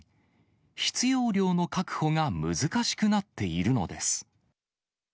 必要量の確保が難しくなっているのです。